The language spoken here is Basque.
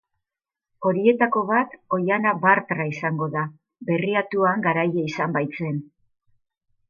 Horietako bat Oihana Bartra izango da, Berriatuan garaile izan baitzen.